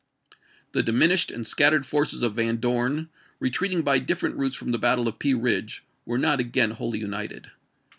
The diminished and scattered forces of Van Dorn, retreating by different routes from the battle of Pea Eidge, were not again wholly united.